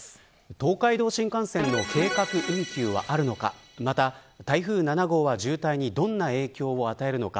東海道新幹線の計画運休はあるのかまた台風７号は渋滞にどんな影響を与えるのか。